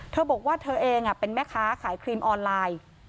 เธอบอกว่าเธอเองเป็นแม่ค้าขายครีมออนไลน์